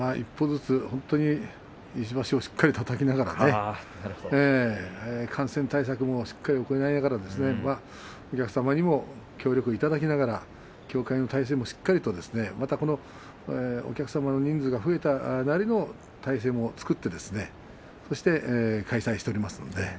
本当に石橋をたたきながらね一歩ずつ感染対策をしっかり行いながらお客様にも協力をいただきながら協会の体制もしっかりとお客様の人数が増えたなりの体制も作ってですね開催しております。